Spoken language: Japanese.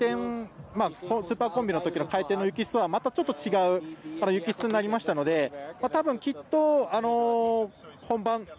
スーパーコンビのときの回転の雪質とはまたちょっと違う雪質になりましたのでたぶん、きっと本番。